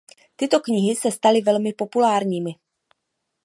Tyto knihy se staly velmi populárními.